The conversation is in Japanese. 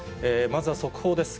まずは速報です。